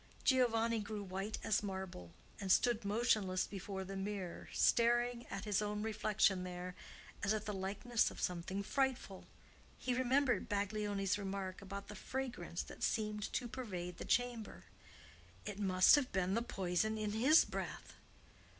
Giovanni grew white as marble, and stood motionless before the mirror, staring at his own reflection there as at the likeness of something frightful. He remembered Baglioni's remark about the fragrance that seemed to pervade the chamber. It must have been the poison in his breath!